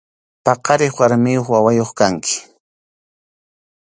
Paqariq warmiyuq wawayuq kanki.